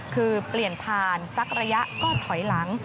คือเปลี่ยนผ่านสักระยะก็ถอยหลัง